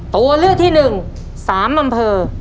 ตัวเลือกที่๑๓อำเภอ